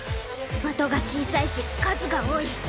的が小さいし数が多い。